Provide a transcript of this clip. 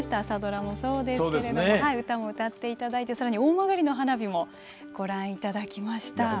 朝ドラもそうですけど歌も歌っていただいてさらに大曲の花火もご覧いただきました。